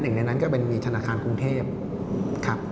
หนึ่งในนั้นก็เป็นมีธนาคารกรุงเทพครับ